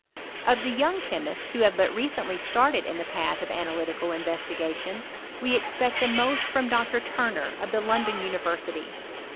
Of the young chemists who have but recently started in the path of analytical investigation, we expect the most from Dr. Turner, of the London University.